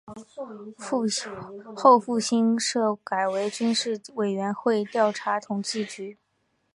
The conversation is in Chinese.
后复兴社改为军事委员会调查统计局。